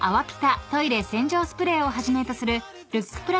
ピタトイレ洗浄スプレーをはじめとするルック